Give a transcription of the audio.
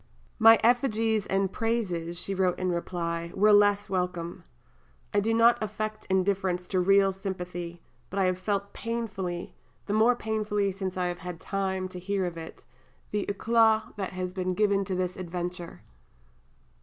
"My effigies and praises," she wrote in reply, "were less welcome. I do not affect indifference to real sympathy, but I have felt painfully, the more painfully since I have had time to hear of it, the éclat which has been given to this adventure.